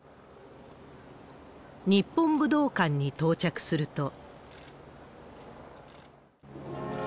日本武道館に到着すると。